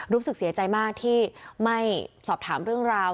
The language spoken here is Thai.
รู้สึกเสียใจมากที่ไม่สอบถามเรื่องราว